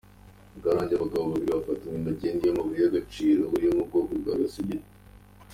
Karongi: Abagabo babiri bafatanywe magendu y’amabuye y’agaciro yo mu bwoko bwa Gasegereti.